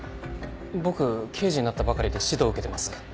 僕刑事になったばかりで指導を受けてます。